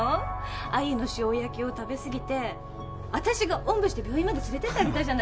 アユの塩焼きを食べすぎてあたしがおんぶして病院まで連れてってあげたじゃない！